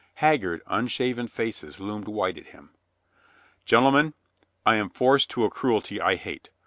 Hag gard, unshaven faces loomed white at him. "Gen tlemen ! I am forced to a cruelty I hate.